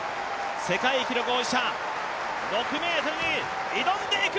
世界記録保持者、６ｍに挑んでいく！